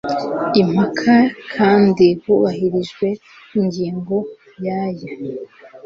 impaka kandi hubahirijwe ingingo ya y aya